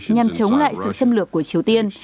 nhằm chống lại sự xâm lược của triều tiên